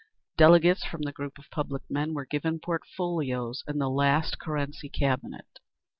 Delegates from the Group of Public Men were given portfolios in the last Kerensky Cabinet.